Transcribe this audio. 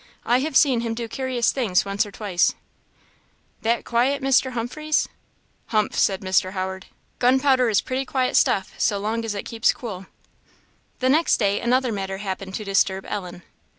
I have seen him do curious things once or twice!" "That quiet Mr. Humphreys?" "Humph!" said Mr. Howard "gunpowder is pretty quiet stuff, so long as it keeps cool." The next day another matter happened to disturb Ellen.